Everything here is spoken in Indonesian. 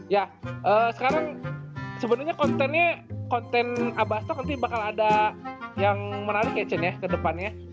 ya sekarang sebenarnya kontennya konten abasto nanti bakal ada yang menarik ya chen ya ke depannya